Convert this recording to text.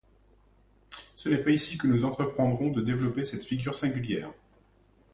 Ce n'est pas ici que nous entreprendrons de développer cette figure singulière.